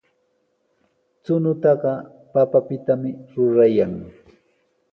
Chuñutaqa papapitami rurayan.